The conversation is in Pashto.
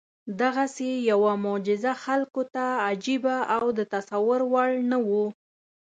دغسې یوه معجزه خلکو ته عجیبه او د تصور وړ نه وه.